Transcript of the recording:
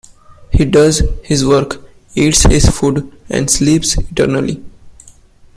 He does his work, eats his food, and sleeps eternally!